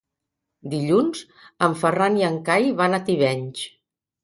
Dilluns en Ferran i en Cai van a Tivenys.